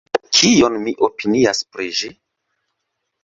Kion mi opinias pri ĝi?